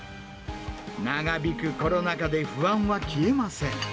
長引くコロナ禍で不安は消えません。